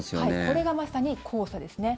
これがまさに黄砂ですね。